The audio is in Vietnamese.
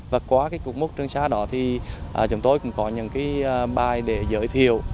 và qua cuộc mốt trường sa đó thì chúng tôi cũng có những bài để giới thiệu